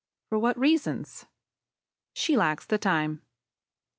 For what reasons? She lacks the time.